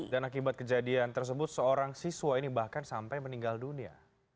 dan akibat kejadian tersebut seorang siswa ini bahkan sampai meninggal dunia